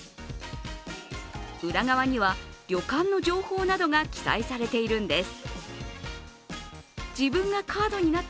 裏側には旅館の情報などが記載されているんです。